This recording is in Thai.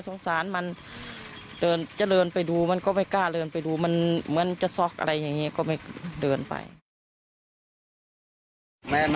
แล้วสาเหตุชัดว่าน่าจะมาจากอะไรครับ